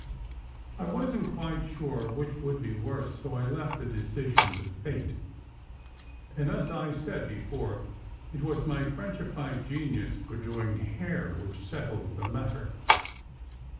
I wasn t quite sure which would be worse, so I left the decision to Fate; and as I said before, it was my Frenchified genius for doing hair which settled the matter.